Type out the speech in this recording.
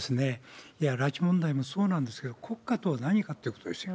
拉致問題もそうなんですけど、国家とは何かということですよ。